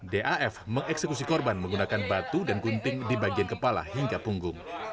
daf mengeksekusi korban menggunakan batu dan gunting di bagian kepala hingga punggung